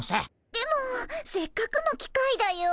でもせっかくの機会だよ。